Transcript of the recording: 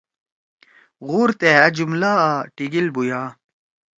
غور تے ہأ جملہ آں ٹیگیل بُھویا۔